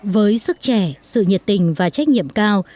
với sức trẻ sự nhiệt tình và trách nhiệm cao